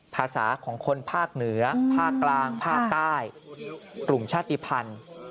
ภาษาของคนภาคเหนือภาคกลางภาคใต้กลุ่มชาติภัณฑ์